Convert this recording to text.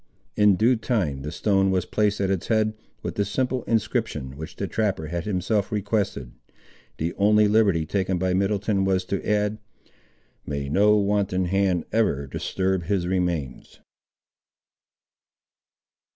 In due time the stone was placed at its head, with the simple inscription, which the trapper had himself requested. The only liberty, taken by Middleton, was to add—"May no wanton hand ever disturb his remains!"